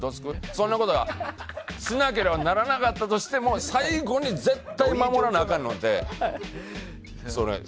そんなことはしなければならなかったとしても最後に絶対守らなあかんのってそれ。